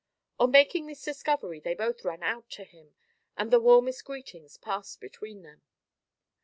On making this discovery they both ran out to him, and the warmest greetings passed between them.